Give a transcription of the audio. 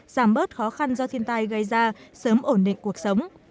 giảm bớt khó khăn do thiên tai gây ra sớm ổn định cuộc sống